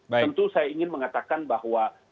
tentu saya ingin mengatakan bahwa